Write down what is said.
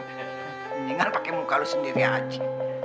mendingan pake muka lo sendiri aja